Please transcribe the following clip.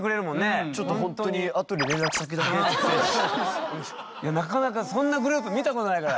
ちょっとほんとになかなかそんなグループ見たことないから。